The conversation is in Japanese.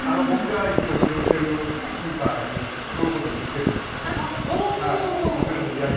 僕がいつも指導してるキーパーにこのことを言っているんですよ常に。